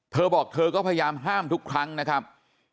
เธอบอกเธอก็พยายามห้ามทุกครั้งนะครับ